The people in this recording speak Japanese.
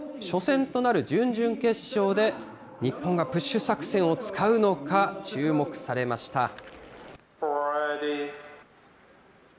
初戦となる準々決勝で、日本がプッシュ作戦を使うのか、注目されました。